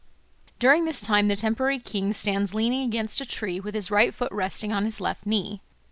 During this time the temporary king stands leaning against a tree with his right foot resting on his left knee.